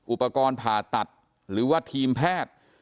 อุปกรณ์ผ่าตัดหรือว่าทีมแพทย์